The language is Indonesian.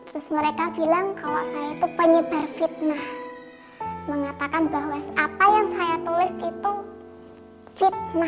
terus mereka bilang kalau saya itu penyebar fitnah mengatakan bahwa apa yang saya tulis itu fitnah